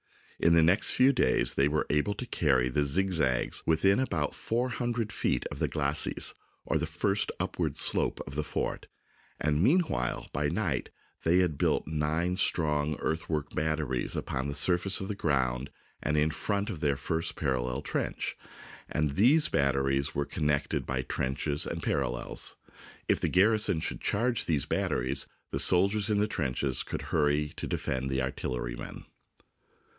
In the next few days they were able to carry the zigzags within about four hundred feet of the ' glacis," or first upward slope of the fort, and meanwhile by night they had built nine strong THE SIEGE OF ANTWERP earthwork batteries upon the surface of the ground and in front of their first parallel trench, and these batteries were connected by trenches with the par allels. If the garrison should charge these batteries, the soldiers in the trenches could hurry to defend the artillerymen.